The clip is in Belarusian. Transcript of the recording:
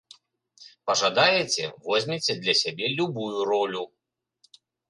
Пажадаеце, возьмеце для сябе любую ролю.